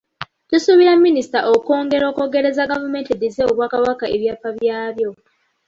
Tusuubira minisita okwongera okwogereza gavumenti eddize Obwakabaka ebyapa byabwo.